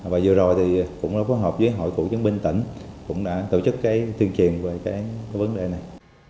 và vừa rồi cũng đã phối hợp với hội cụ chứng minh tỉnh cũng đã tổ chức tuyên truyền về vấn đề này